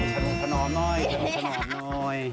สนุกสนองน้อย